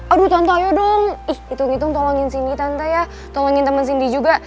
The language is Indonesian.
aduh tante ayo dong ih hitung hitung tolongin sindi tante ya tolongin temen sindi juga